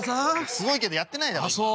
すごいけどやってないだろ今。